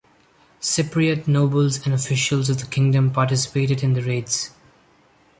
Cypriot nobles and officials of the kingdom participated in the raids.